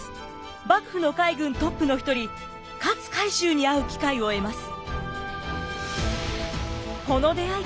幕府の海軍トップの一人勝海舟に会う機会を得ます。